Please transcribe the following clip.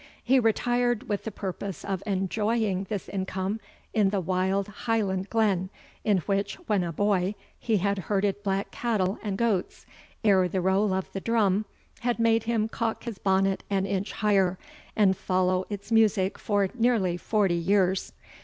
He retired with the purpose of enjoying this income in the wild Highland glen, in which, when a boy, he had herded black cattle and goats, ere the roll of the drum had made him cock his bonnet an inch higher, and follow its music for nearly forty years.